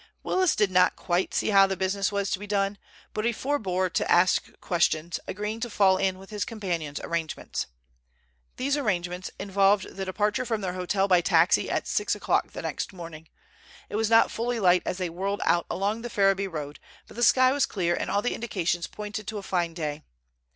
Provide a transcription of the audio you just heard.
Willis did not quite see how the business was to be done, but he forbore to ask questions, agreeing to fall in with his companion's arrangements. These arrangements involved the departure from their hotel by taxi at six o'clock the next morning. It was not fully light as they whirled out along the Ferriby road, but the sky was clear and all the indications pointed to a fine day.